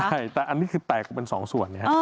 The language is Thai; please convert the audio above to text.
ใช่แต่อันนี้คือแตกเป็น๒ส่วน